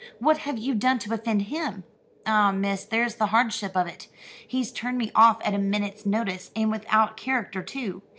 What have you done to offend him?" "Ah, miss, there's the hardship of it! He's turned me off at a minute's notice, and without a character too.